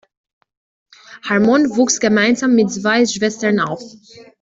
Harmon wuchs gemeinsam mit zwei Schwestern auf.